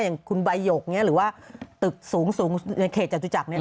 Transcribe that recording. อย่างคุณใบหยกหรือว่าตึกสูงในเขตจตุจักร